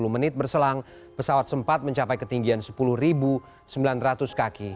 sepuluh menit berselang pesawat sempat mencapai ketinggian sepuluh sembilan ratus kaki